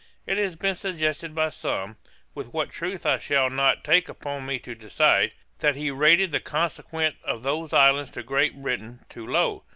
It has been suggested by some, with what truth I shall not take upon me to decide, that he rated the consequence of those islands to Great Britain too low.